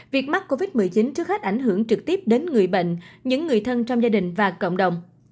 việc mắc covid một mươi chín trước hết ảnh hưởng trực tiếp đến người bệnh những người thân trong gia đình và cộng đồng